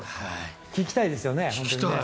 聞きたいですよね。